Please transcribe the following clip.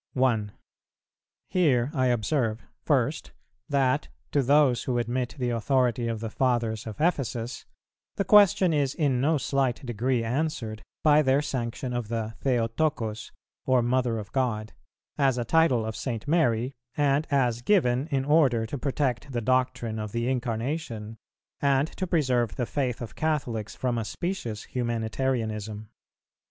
1. Here I observe, first, that, to those who admit the authority of the Fathers of Ephesus, the question is in no slight degree answered by their sanction of the θεοτόκος, or "Mother of God," as a title of St. Mary, and as given in order to protect the doctrine of the Incarnation, and to preserve the faith of Catholics from a specious Humanitarianism.